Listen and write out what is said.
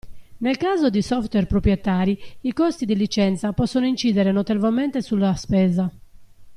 Nel caso di software proprietari i costi di licenza possono incidere notevolmente sulla spesa.